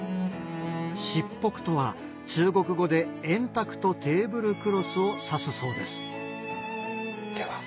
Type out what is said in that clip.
卓袱とは中国語で円卓とテーブルクロスを指すそうですでは。